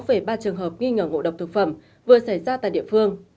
về ba trường hợp nghi ngờ ngộ độc thực phẩm vừa xảy ra tại địa phương